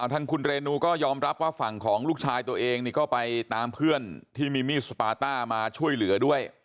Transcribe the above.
ทางคุณเรนูก็ยอมรับว่าฝั่งของลูกชายตัวเองนี่ก็ไปตามเพื่อนที่มีมีดสปาต้ามาช่วยเหลือด้วย